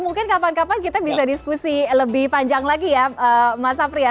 mungkin kapan kapan kita bisa diskusi lebih panjang lagi ya mas safri ya